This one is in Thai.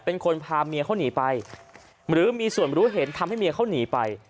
เป็นคนพาเมียเขาหนีไปหรือมีส่วนรู้เห็นทำให้เมียเขาหนีไป